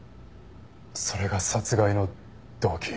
それが殺害の動機。